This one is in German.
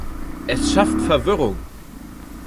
Es schafft Verwirrung!